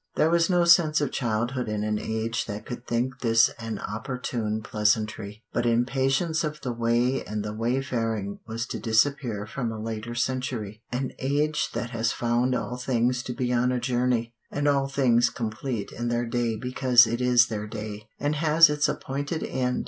There was no sense of childhood in an age that could think this an opportune pleasantry. But impatience of the way and the wayfaring was to disappear from a later century an age that has found all things to be on a journey, and all things complete in their day because it is their day, and has its appointed end.